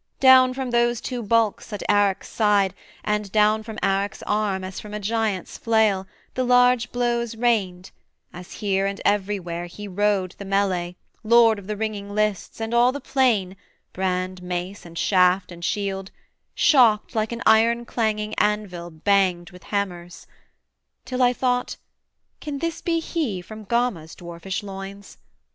Down From those two bulks at Arac's side, and down From Arac's arm, as from a giant's flail, The large blows rained, as here and everywhere He rode the mellay, lord of the ringing lists, And all the plain, brand, mace, and shaft, and shield Shocked, like an iron clanging anvil banged With hammers; till I thought, can this be he From Gama's dwarfish loins?